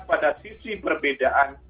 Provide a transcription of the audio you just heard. pada sisi perbedaan